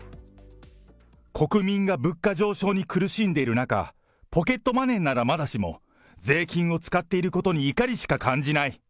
国民が物価上昇に苦しんでいる中、ポケットマネーならまだしも、税金を使っていることに怒りしか感じない。